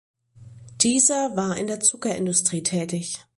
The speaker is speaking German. Dieser war in der Zuckerindustrie tätig.